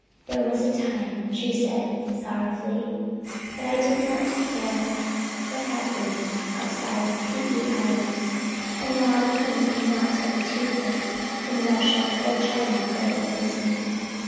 "There was a time," she said sorrowfully, "when I did not care what happened outside of P.E. Island, and now a king cannot have a toothache in Russia or China but it worries me.